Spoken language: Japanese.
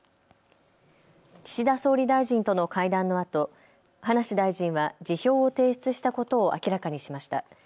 岸田総理大臣との会談のあと、葉梨大臣は辞表を提出したことを明らかにしました。